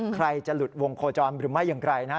ใครจะหลุดวงโคจรหรือไม่อย่างไรนะฮะ